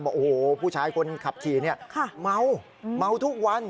เป็นผู้ชายคนขับขี่นี่เบาเบาทุกวัน